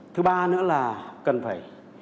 thứ ba nữa là cần phải